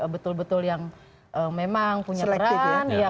betul betul yang memang punya peran